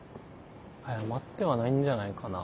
早まってはないんじゃないかな。